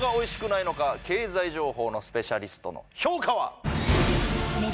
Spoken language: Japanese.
経済情報のスペシャリストの評価は？